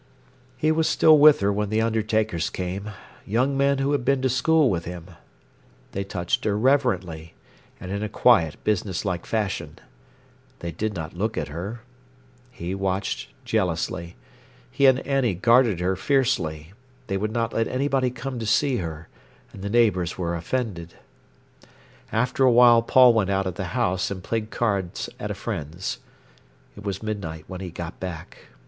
He was still with her when the undertakers came, young men who had been to school with him. They touched her reverently, and in a quiet, businesslike fashion. They did not look at her. He watched jealously. He and Annie guarded her fiercely. They would not let anybody come to see her, and the neighbours were offended. After a while Paul went out of the house, and played cards at a friend's. It was midnight when he got back.